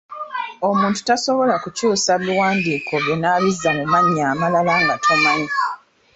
Omuntu tasobola kukyusa biwandiiko byo n’abizza mu mannya amalala nga tomanyi.